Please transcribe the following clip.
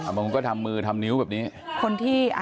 บางคนก็ทำมือทำนิ้วแบบนี้